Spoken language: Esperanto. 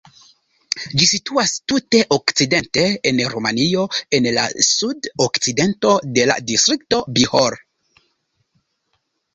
Ĝi situas tute okcidente en Rumanio, en la sud-okcidento de la distrikto Bihor.